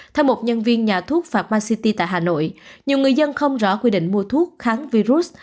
theo một nhân viên nhà thuốc phạt ma city tại hà nội nhiều người dân không rõ quy định mua thuốc kháng virus